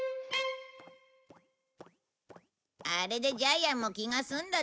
あれでジャイアンも気が済んだだろう。